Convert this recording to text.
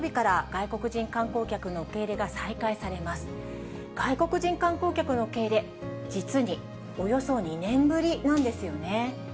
外国人観光客の受け入れ、実に、およそ２年ぶりなんですよね。